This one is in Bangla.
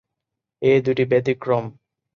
এ দুটি ব্যতিক্রম।